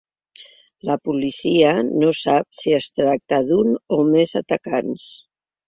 La policia no sap si es tracta d’un o més atacants.